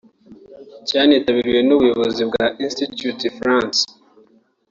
Cyanitabiriwe n’ubuyobozi bwa Institut Français